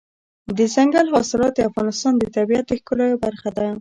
دځنګل حاصلات د افغانستان د طبیعت د ښکلا یوه برخه ده.